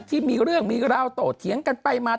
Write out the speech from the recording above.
ที่มีเรื่องมีราวโตเถียงกันไปมา